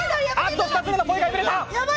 ２つ目のポイが破れた。